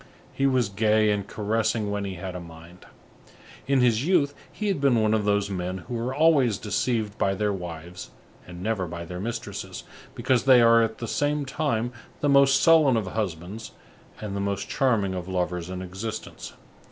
He was gay, and caressing when he had a mind. In his youth he had been one of those men who are always deceived by their wives and never by their mistresses, because they are, at the same time, the most sullen of husbands and the most charming of lovers in existence.